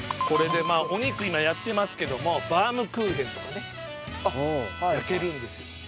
これでお肉今やってますけどもバウムクーヘンとかね焼けるんですよ。